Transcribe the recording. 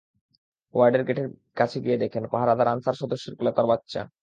ওয়ার্ডের গেটের কাছে গিয়ে দেখেন, পাহারাদার আনসার সদস্যের কোলে তাঁর বাচ্চা।